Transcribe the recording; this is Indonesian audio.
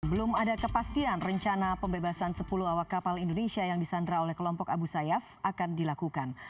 belum ada kepastian rencana pembebasan sepuluh awak kapal indonesia yang disandra oleh kelompok abu sayyaf akan dilakukan